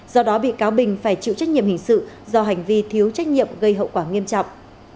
do đó bị cáo bình phải chịu trách nhiệm hình sự do hành vi thiếu trách nhiệm gây hậu quả nghiêm trọng